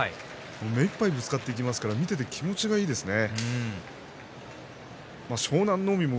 目いっぱいぶつかっていきますから見ていて気持ちがいいですね。